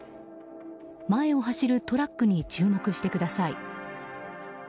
前を走るトラックに注目してください。